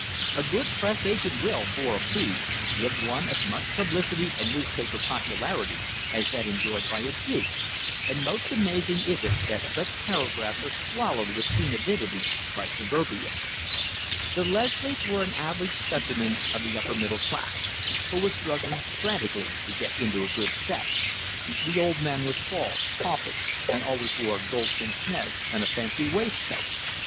A good press agent will, for a fee, give one as much publicity and newspaper popularity as that enjoyed by a duke, and most amazing is it that such paragraphs are swallowed with keen avidity by Suburbia. The Leslies were an average specimen of the upper middle class, who were struggling frantically to get into a good set. The old man was bald, pompous, and always wore gold pince nez and a fancy waistcoat.